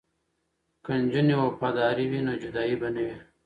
که نجونې وفادارې وي نو جدایی به نه وي.